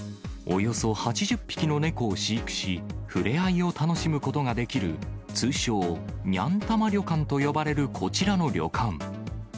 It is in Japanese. およそ８０匹の猫を飼育し、触れ合いを楽しむことができる、通称にゃん玉旅館と呼ばれるこちらの旅館。